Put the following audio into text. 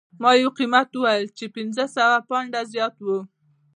ما یو قیمت وویل چې پنځه سوه پونډه زیات و